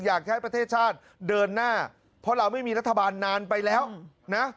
อยากให้ประเทศชาติเดินหน้าเพราะเราไม่มีรัฐบาลนานไปแล้วนะ